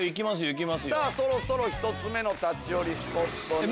そろそろ１つ目の立ち寄りスポットに。